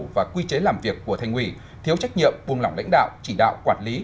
và quy chế làm việc của thành ủy thiếu trách nhiệm buông lỏng lãnh đạo chỉ đạo quản lý